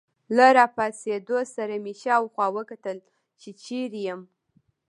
له راپاڅېدو سره مې شاوخوا وکتل، چې چیرې یم.